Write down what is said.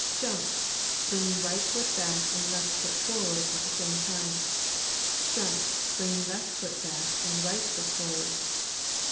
Jump, bringing right foot back and left foot forward at the same time. Jump, bringing left foot back and right foot forward.